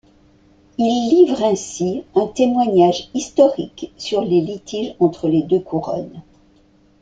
Il livre ainsi un témoignage historique sur les litiges entre les deux couronnes.